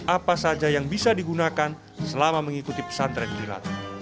apa saja yang bisa digunakan selama mengikuti pesan tren kilat